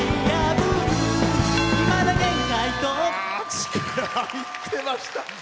力入ってました。